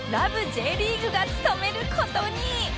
Ｊ リーグ』が務める事に！